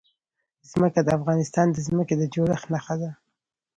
ځمکه د افغانستان د ځمکې د جوړښت نښه ده.